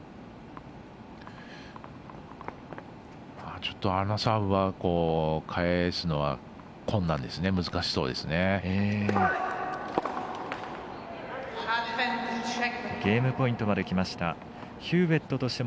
ちょっとあのサーブは返すのは難しそうですね。